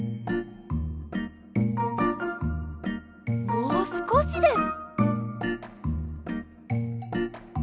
もうすこしです。